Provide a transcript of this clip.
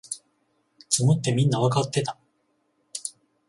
詰むってみんなわかってた